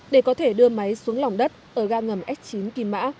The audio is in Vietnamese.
để có thể đưa máy xuống lỏng đất ở ga ngầm s chín kỳ mã